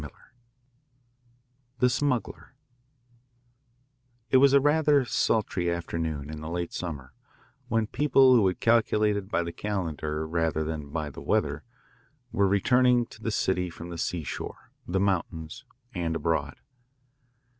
X The SMUGGLER It was a rather sultry afternoon in the late summer when people who had calculated by the calendar rather than by the weather were returning to the city from the seashore, the mountains, and abroad.